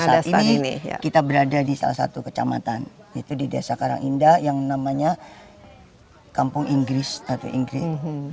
saat ini kita berada di salah satu kecamatan itu di desa karang indah yang namanya kampung inggris tata inggris